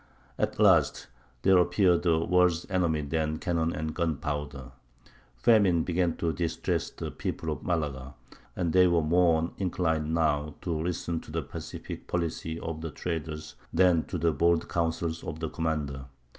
At last there appeared a worse enemy than cannon and gunpowder: famine began to distress the people of Malaga, and they were more inclined now to listen to the pacific policy of the traders than to the bold counsels of the commander.